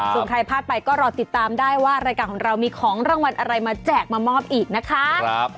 ส่วนใครพลาดไปก็รอติดตามได้ว่ารายการของเรามีของรางวัลอะไรมาแจกมามอบอีกนะคะ